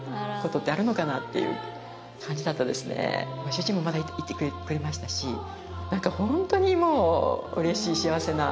主人もまだいてくれましたしなんか本当にもううれしい幸せな体験でした。